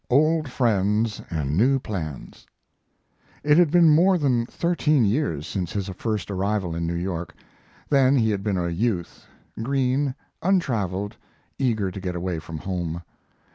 OLD FRIENDS AND NEW PLANS It had been more than thirteen years since his first arrival in New York. Then he had been a youth, green, untraveled, eager to get away from home.